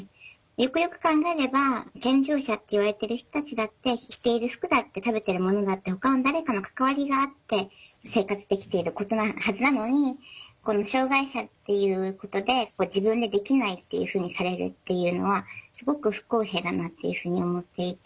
よくよく考えれば健常者っていわれてる人たちだって着ている服だって食べてるものだってほかの誰かの関わりがあって生活できているはずなのに障害者っていうことで自分でできないっていうふうにされるっていうのはすごく不公平だなっていうふうに思っていて。